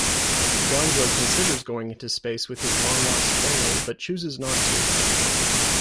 Gonzo considers going into space with his long-lost family but chooses not to.